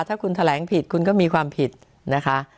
ถ้าคุณแถลงผิดคุณก็มีความผิดนะคะ